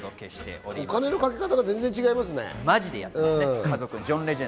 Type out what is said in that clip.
お金のかけ方が全然違いますね。